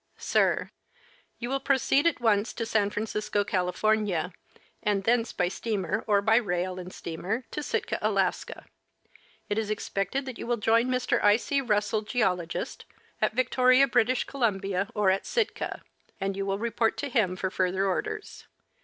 . Sir : You will proceed at once to San Francisco, California, and thence by steamer or by rail and steamer to Sitka, Alaska. It is expected that you will join Mr. I. C. Russell, Geologist, at Victoria, B. C., or at Sitka ; and you Avill report to him for further orders.